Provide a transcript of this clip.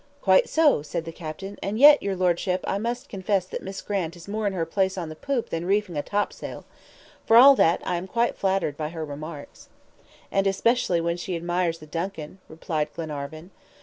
"Quite so," said the captain, "and yet, your Lordship, I must confess that Miss Grant is more in her place on the poop than reefing a topsail. But for all that, I am quite flattered by her remarks." "And especially when she admires the DUNCAN," replied Glenarvan.